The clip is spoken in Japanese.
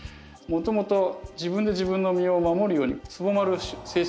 もともと自分で自分の身を守るようにつぼまる性質があるんですよね。